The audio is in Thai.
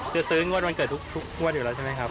คือซื้องวดวันเกิดทุกงวดอยู่แล้วใช่ไหมครับ